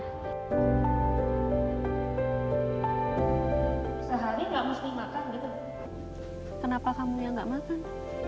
sehari nggak mesti makan gitu kenapa kamu yang nggak makan